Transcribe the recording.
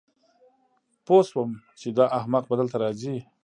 پوه شوم چې دا احمق به دلته راځي